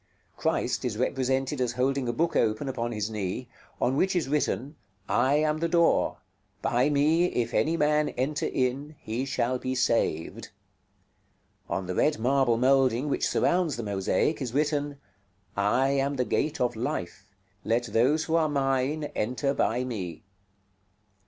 Christ is represented as holding a book open upon his knee, on which is written: "I AM THE DOOR; BY ME IF ANY MAN ENTER IN, HE SHALL BE SAVED." On the red marble moulding which surrounds the mosaic is written: "I AM THE GATE OF LIFE; LET THOSE WHO ARE MINE ENTER BY ME."